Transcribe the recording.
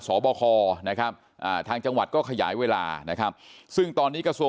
ส่อบ่อครนะครับทางจังหวัดก็ขยายเวลานะครับซึ่งตอนนี้กษัตริย์